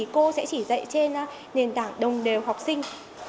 cô sẽ chỉ dạy trên nền tảng đồng đều học sinh